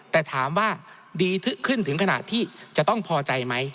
แต่ถามว่าดีขึ้นถึงขนาดที่จะต้องพอใจไหม